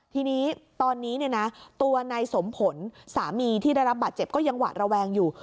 ทีนี้ตอนนี้ตัวนายสมผลสามีที่ได้รับบาดเจ็บก็ยังหวาดระแวงอยู่